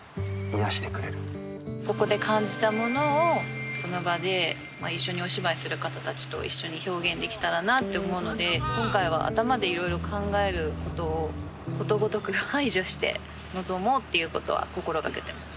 ここで感じたものをその場で一緒にお芝居する方たちと一緒に表現できたらなと思うので今回は頭でいろいろ考えることをことごとく排除して臨もうっていうことは心がけてます。